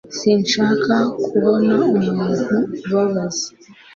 sinshaka kubona umuntu ubabaza